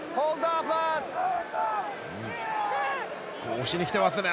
押しにきてますね。